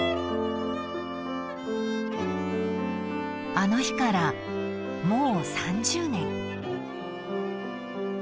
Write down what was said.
［あの日からもう３０年］